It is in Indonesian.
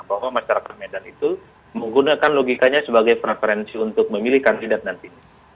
bahwa masyarakat medan itu menggunakan logikanya sebagai preferensi untuk memilih kandidat nanti